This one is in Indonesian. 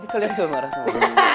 kalian juga marah sama gue